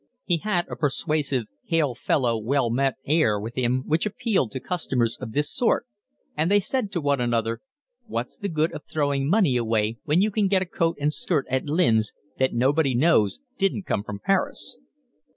He had a persuasive, hail fellow well met air with him which appealed to customers of this sort, and they said to one another: "What's the good of throwing money away when you can get a coat and skirt at Lynn's that nobody knows don't come from Paris?"